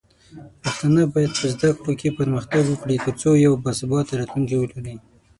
پښتانه بايد په زده کړو کې پرمختګ وکړي، ترڅو یو باثباته راتلونکی ولري.